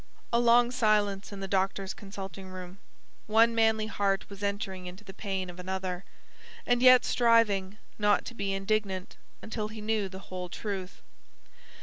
A long silence in the doctor's consulting room. One manly heart was entering into the pain of another, and yet striving not to be indignant until he knew the whole truth.